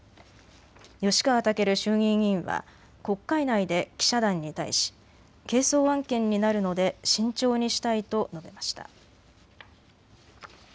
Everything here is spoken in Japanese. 吉川赳衆議院議員は国会内で記者団に対し係争案件になるので慎重にしたいと述べました。